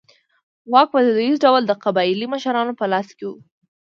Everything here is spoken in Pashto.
واک په دودیز ډول د قبایلي مشرانو په لاس کې و.